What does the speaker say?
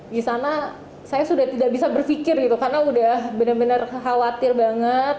di sana saya sudah tidak bisa berfikir gitu karena udah benar benar khawatir banget